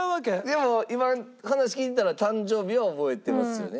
でも今話聞いてたら誕生日は覚えてますよね？